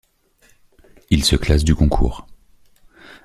Il se classe du concours.